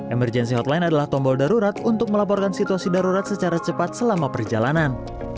emergency hotline adalah tombol darurat untuk melaporkan situasi darurat secara cepat selama perjalanan